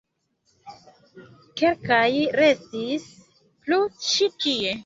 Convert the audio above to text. Kelkaj restis plu ĉi tie.